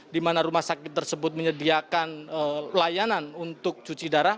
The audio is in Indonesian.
di mana rumah sakit tersebut menyediakan layanan untuk cuci darah